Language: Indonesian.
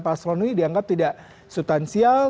pak slonwi dianggap tidak sustansial